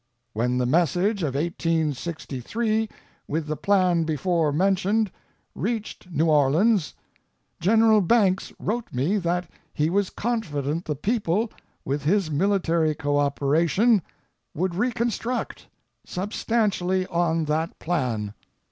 When the message of 1863, with the plan before mentioned, reached New Orleans, Gen. Banks wrote me that he was confident the people, with his military co operation, would reconstruct, substantially on that plan.